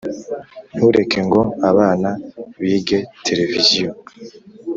ntureke ngo abana bige televiziyo.